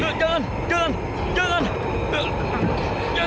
jangan jangan jangan